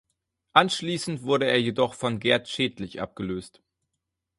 Anschließend wurde er jedoch von Gerd Schädlich abgelöst.